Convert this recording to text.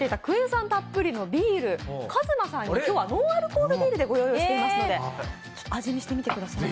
酸たっぷりのビール、ＫＡＺＭＡさんに、今日はノンアルコールビールでご用意していますので、味見してみてください。